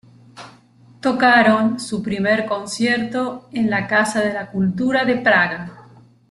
Tocaron su primer concierto en la Casa de la Cultura de Praga.